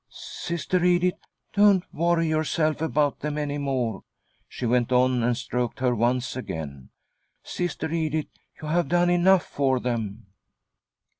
"Sister Edith, don't worry yourself about them any more," she went on, and stroked her once again. "Sister Edith, you have done enough for them."